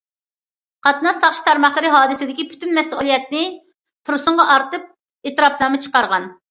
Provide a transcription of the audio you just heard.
قاتناش ساقچى تارماقلىرى ھادىسىدىكى پۈتۈن مەسئۇلىيەتنى تۇرسۇنغا ئارتىپ ئېتىراپنامە چىقارغان.